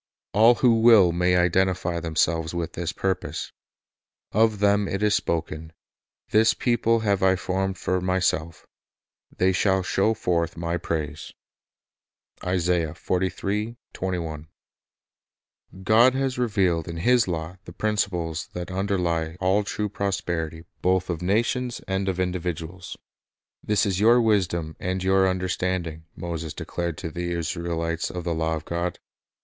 All who will may identify themselves with this purpose. Of them it is spoken, "This people have I formed for Myself; they shall show forth My praise." 3 God has revealed in His law the principles that underlie all true prosperity both of nations and of individuals. "This is your wisdom and your under standing," Moses declared to the Israelites of the law of God.